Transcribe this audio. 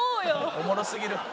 おもろすぎる。